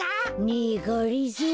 ねえがりぞー。